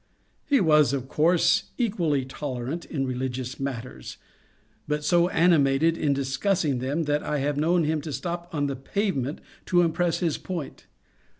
He was of course equally tolerant in religious matters, but so animated in discussing them that I have known him stop on the pavement to impress his point.